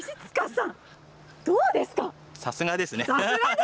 さすがですね！